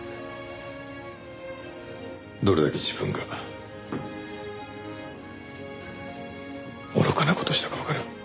どれだけ自分が愚かな事したかわかる。